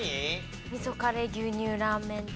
味噌カレー牛乳ラーメン。